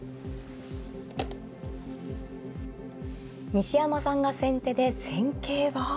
西山さんが先手で戦型は。